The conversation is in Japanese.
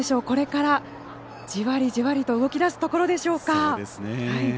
これから、じわりじわりと動きだすところでしょうか。